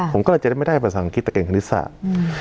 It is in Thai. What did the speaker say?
ผมก็เลยจะได้ไม่ได้ภาษาอังกฤษแต่เก่งคณิตศาสตร์